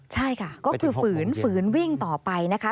ใช่ค่ะก็คือฝืนฝืนวิ่งต่อไปนะคะ